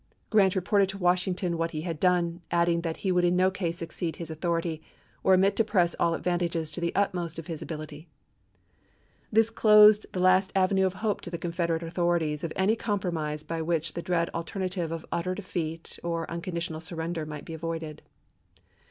Grant reported to Washingtor what he had done, adding that he would in no case exceed his author FIVE FOBKS 159 ity, or omit to press all advantages to the utmost of chap. viii. his ability. This closed the last avenue of hope to the Confederate authorities of any compromise by which the dread alternative of utter defeat or un conditional surrender might be avoided.